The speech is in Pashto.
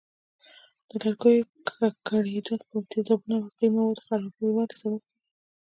د لرګیو ککړېدل په تیزابونو او القلي موادو خرابوالي سبب کېږي.